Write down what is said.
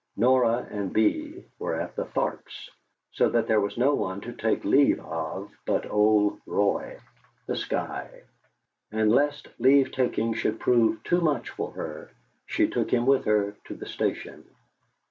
Norah and Bee were at the Tharps', so that there was no one to take leave of but old Roy, the Skye; and lest that leave taking should prove too much for her, she took him with her to the station.